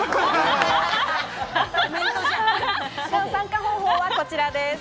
参加方法はこちらです。